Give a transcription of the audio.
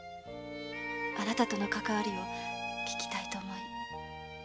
あなたとのかかわりを聞きたいと思い。